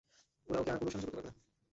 ওরা ওকে আর কোনও সাহায্য করতে পারবে না।